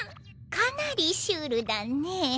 かなりシュールだねぇ。